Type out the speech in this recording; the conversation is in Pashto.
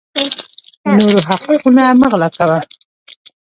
د نورو حقونه مه غلاء کوه